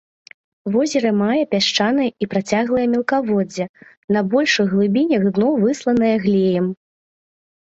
Возера мае пясчанае і працяглае мелкаводдзе, на большых глыбінях дно высланае глеем.